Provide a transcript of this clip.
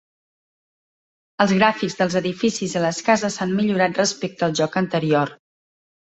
Els gràfics dels edificis i les cases s'han millorat respecte al joc anterior.